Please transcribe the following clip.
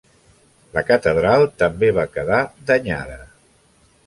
La catedral també va quedar danyada.